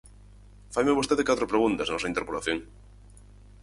Faime vostede catro preguntas na súa interpelación.